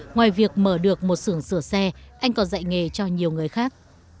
ngoài việc mở được một xưởng sửa xe anh còn dạy nghề cho nhiều người khác